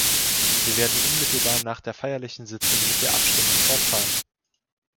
Wir werden unmittelbar nach der feierlichen Sitzung mit der Abstimmung fortfahren.